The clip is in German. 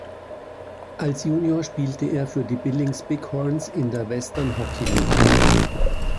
Als Junior spielte er für die Billings Bighorns in der Western Hockey League.